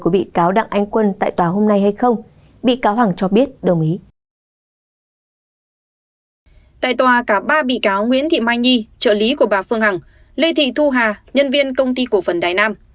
bị cáo nguyễn thị mai nhi trợ lý của bà phương hằng lê thị thu hà nhân viên công ty của phần đài nam